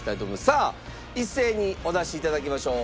さあ一斉にお出し頂きましょう。